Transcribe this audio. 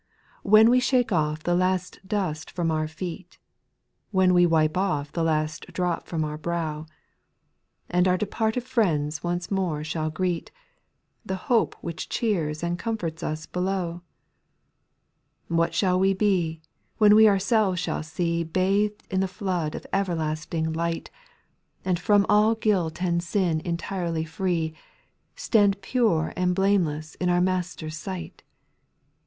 When we shake off the last dust from our feet. When we wipe off the last drop from our brow. And our departed friends once more shall greet,— The hope which cheers and comforts us below 1 2. What shall we be, when we ourselves shall see Bathed in the flood of everlasting light, SPIRITUAL SONGS. 291 And from all guilt and sin entirely free, Stand pure and blameless in our Maker's sight